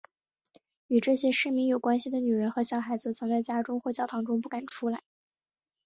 与这些市民有关系的女人和小孩则藏在家中或教堂中不敢出来。